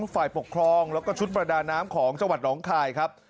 ฝ่ายปกครองแล้วก็ชุดประดาน้ำของจังหวัดหนองคายครับ